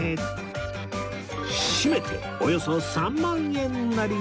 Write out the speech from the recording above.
締めておよそ３万円なり